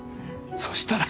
そしたら。